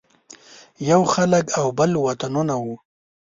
یو خلک او بل وطنونه وو.